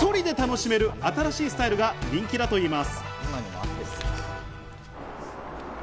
火鍋を１人で楽しめる新しいスタイルが人気だといいます。